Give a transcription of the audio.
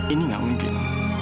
ini gak mungkin